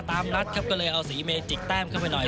ตามนัดครับก็เลยเอาสีเมจิกแต้มเข้าไปหน่อย